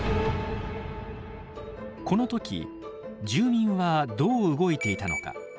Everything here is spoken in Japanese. この時住民はどう動いていたのか。